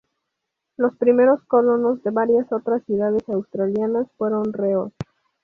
Los primeros colonos de varias otras ciudades australianas fueron reos.